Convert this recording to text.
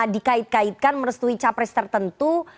dikait kaitkan merestui capres tertentu